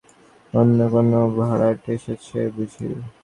অন্য কোনো ভাড়াটে এসেছে বুঝি?